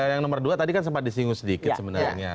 yang nomor dua tadi kan sempat disinggung sedikit sebenarnya